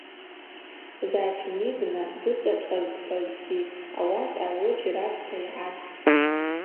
Зач Нибна дыцӏашӏазхӏвазгьи ауат агӏвыджь ракӏвта йгӏацӏцӏтӏ.